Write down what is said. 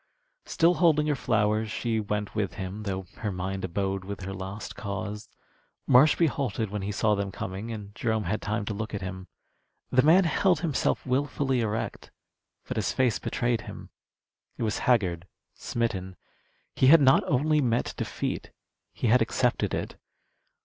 Still holding her flowers, she went with him, though her mind abode with her lost cause. Marshby halted when he saw them coming, and Jerome had time to look at him. The man held himself wilfully erect, but his face betrayed him. It was haggard, smitten. He had not only met defeat; he had accepted it.